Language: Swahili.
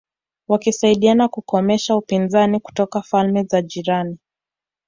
wakisaidiana kukomesha upinzani kutoka falme za jirani